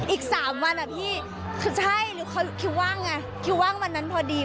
อีก๓วันอะพี่คือใช่หรือเขาคิดว่าไงคิดว่างวันนั้นพอดี